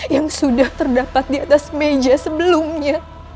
yang sudah terdapat di atas meja sebelumnya